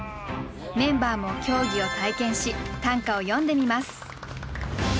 メンバーも競技を体験し短歌を詠んでみます。